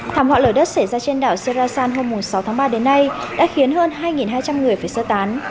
thảm họa lở đất xảy ra trên đảo serasan hôm sáu tháng ba đến nay đã khiến hơn hai hai trăm linh người phải sơ tán